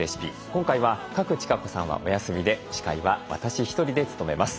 今回は賀来千香子さんはお休みで司会は私１人で務めます。